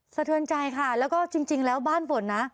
สะเทือนใจค่ะแล้วก็จริงแล้วบ้านฝนนะ